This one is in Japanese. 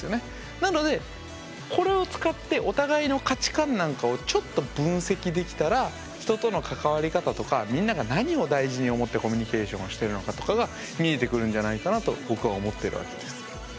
なのでこれを使ってお互いの価値観なんかをちょっと分析できたら人との関わり方とかみんなが何を大事に思ってコミュニケーションをしてるのかとかが見えてくるんじゃないかなと僕は思ってるわけです。